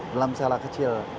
dalam skala kecil